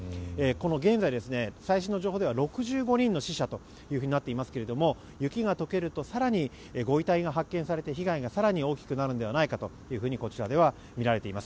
現在、最新の情報では６５人の死者となっていますが雪が解けると更にご遺体が発見されて更に被害が大きくなるのではとこちらでは見られています。